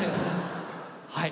はい。